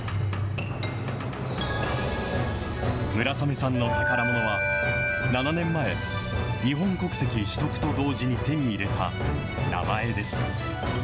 村雨さんの宝ものは、７年前、日本国籍取得と同時に手に入れた名前です。